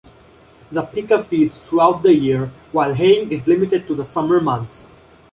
The pika feeds throughout the year while haying is limited to the summer months.